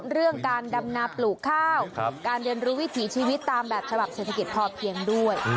เรื่องการดำนาปลูกข้าวการเรียนรู้วิถีชีวิตตามแบบฉบับเศรษฐกิจพอเพียงด้วย